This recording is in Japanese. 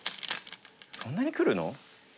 そんなにくるの？